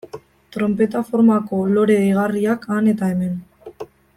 Tronpeta formako lore deigarriak han eta hemen.